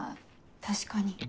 確かに。